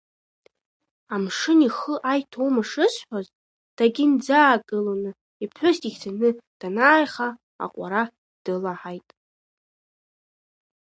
Амшын ихы аиҭоума шысҳәоз, дагьынӡаагылоны, иԥҳәыс дихьӡаны данааиха аҟәара дылаҳаит.